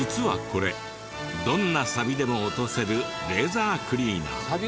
これどんなサビでも落とせるレーザークリーナー。